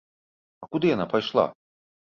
А куды яна пайшла?